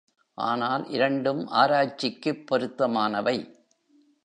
ஆனால் இரண்டும் ஆராய்ச்சிக்குப் பொருத்தமானவை.